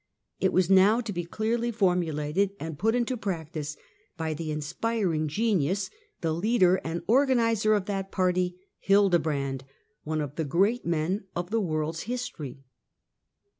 It was now to be clearly formulated and pub Lto practice by the inspiring genius, the leader and .rganizer of that party, Hildebrand, one of the great men pjf'^the world's history.